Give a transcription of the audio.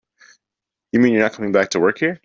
You mean you're not coming back to work here?